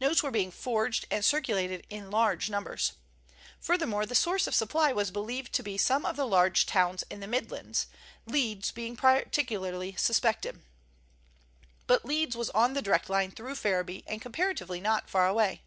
Notes were being forged and circulated in large numbers. Furthermore, the source of supply was believed to be some of the large towns in the Midlands, Leeds being particularly suspected. But Leeds was on the direct line through Ferriby, and comparatively not far away.